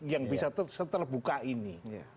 yang bisa seterbuka ini